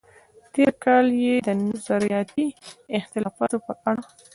تېر کالم یې د نظریاتي اختلافاتو په اړه و.